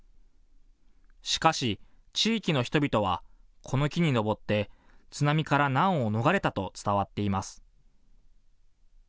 しかし地域の人々はこの木に登って津波から難を逃れたと伝わっています。